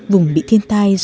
vùng bị thiên tai